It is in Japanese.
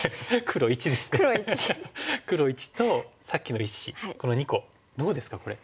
黒①とさっきの１子この２個どうですかこれ。